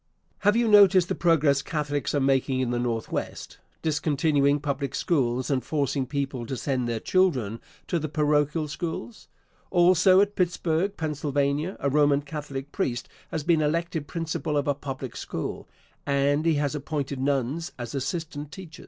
Question. Have you noticed the progress Catholics are making in the Northwest, discontinuing public schools, and forcing people to send their children to the parochial schools; also, at Pittsburg, Pa., a Roman Catholic priest has been elected principal of a public school, and he has appointed nuns as assistant teachers?